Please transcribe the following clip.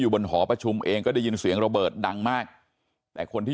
บนหอประชุมเองก็ได้ยินเสียงระเบิดดังมากแต่คนที่